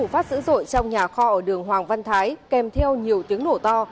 phát dữ dội trong nhà kho ở đường hoàng văn thái kèm theo nhiều tiếng nổ to